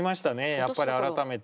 やっぱり改めて。